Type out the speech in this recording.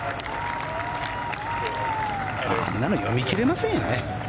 あんなの読み切れませんよね。